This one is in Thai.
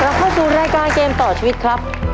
เข้าสู่รายการเกมต่อชีวิตครับ